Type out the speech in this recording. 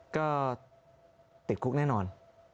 ก็ติดคุกแน่นอน